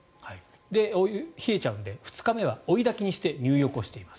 お湯が冷えちゃうので２日目は追いだきにして入っています。